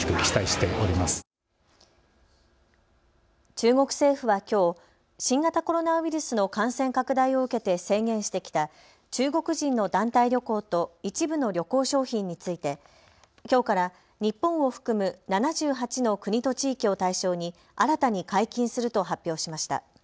中国政府はきょう新型コロナウイルスの感染拡大を受けて制限してきた中国人の団体旅行と一部の旅行商品について、きょうから日本を含む７８の国と地域を対象に新たに解禁すると発表しました。